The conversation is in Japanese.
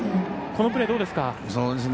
このプレーどうですか？